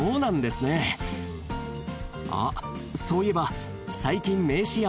あっそういえば。